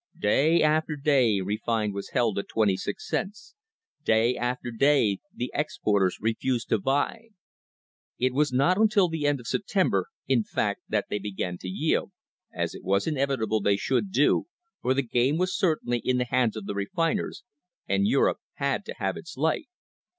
Day after day refined was held at twenty six cents. Day after day the exporters refused to buy. It was not until the end of September, in fact, that they began to yield — as it was inevitable they should do, for the game was certainly in the hands of the refiners, and Europe had to have its light.